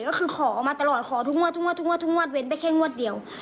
ก็คือขอออกมาตลอดขอทุกงวดเว้นไปแค่งวดเดียว